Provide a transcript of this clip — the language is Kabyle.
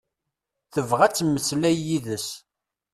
Tebɣa ad temmeslay yid-s.